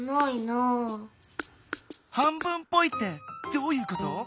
半分っぽいってどういうこと？